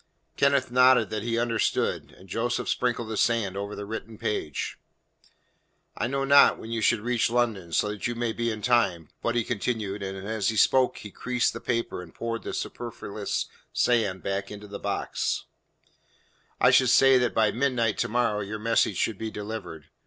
Kenneth nodded that he understood, and Joseph sprinkled the sand over the written page. "I know not when you should reach London so that you may be in time, but," he continued, and as he spoke he creased the paper and poured the superfluous sand back into the box, "I should say that by midnight to morrow your message should be delivered.